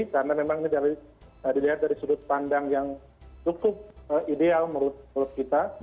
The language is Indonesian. karena memang ini dilihat dari sudut pandang yang cukup ideal menurut kita